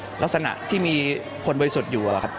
พอเกิดเหตุแบบนี้ตกใจมากทำอะไรไม่ถูกเลยค่ะ